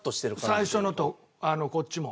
最初のとこっちも。